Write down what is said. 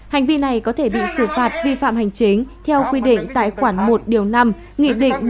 hành vi này có thể bị xử phạt vi phạm hành chính theo quy định tại khoản một năm một trăm sáu mươi bảy hai nghìn một mươi ba